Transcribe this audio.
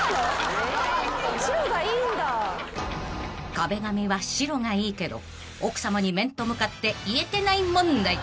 ［壁紙は白がいいけど奥さまに面と向かって言えてない問題］